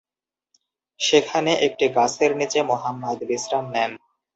সেখানে একটি গাছের নিচে মুহাম্মাদ বিশ্রাম নেন।